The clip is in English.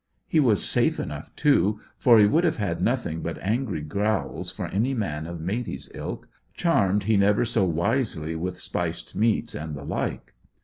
He was safe enough, too, for he would have had nothing but angry growls for any man of Matey's ilk, charmed he never so wisely with spiced meats and the like.